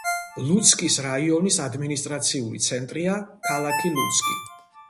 ლუცკის რაიონის ადმინისტრაციული ცენტრია ქალაქი ლუცკი.